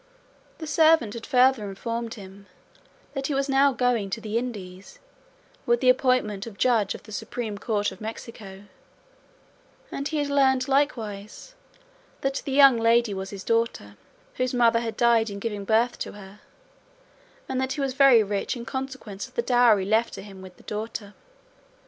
The servant had further informed him that he was now going to the Indies with the appointment of Judge of the Supreme Court of Mexico; and he had learned, likewise, that the young lady was his daughter, whose mother had died in giving birth to her, and that he was very rich in consequence of the dowry left to him with the daughter.